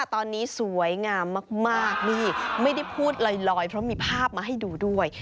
ตอนนี้สวยงามมากนี่ไม่ได้พูดลอยเพราะมีภาพมาให้ดูด้วย